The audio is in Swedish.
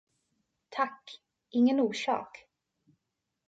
Tack, ingen orsak!